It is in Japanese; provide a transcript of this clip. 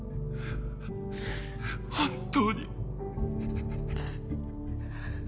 本当に。